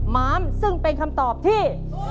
ม้ามซึ่งเป็นคำตอบที่